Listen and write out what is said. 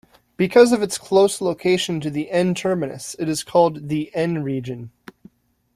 Because of its close location to the N-terminus it is called the "n-region".